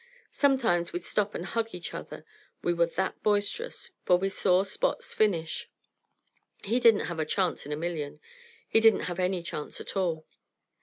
Sometimes we'd stop and hug each other, we were that boisterous, for we saw Spot's finish. He didn't have a chance in a million. He didn't have any chance at all.